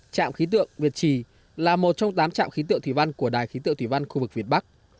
trạm khí tượng việt trì là một trong tám trạm khí tượng thủy văn của đài khí tượng thủy văn khu vực việt bắc